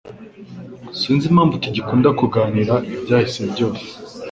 sinzi impamvu tugikunda kuganira ibya hise byose